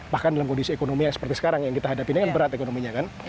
bahkan dalam kondisi ekonomi seperti sekarang yang kita hadapin kan berat ekonominya kan